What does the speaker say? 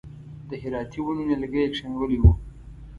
د هراتي ونو نیالګي یې کښېنولي و.